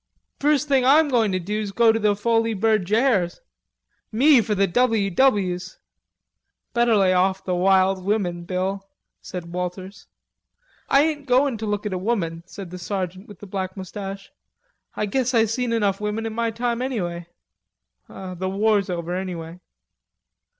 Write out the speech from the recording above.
"First thing I'm going to do's go to the Folies Berd jairs; me for the w.w.'s." "Better lay off the wild women, Bill," said Walters. "I ain't goin' to look at a woman," said the sergeant with the black mustache. "I guess I seen enough women in my time, anyway.... The war's over, anyway."